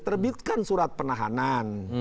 terbitkan surat penahanan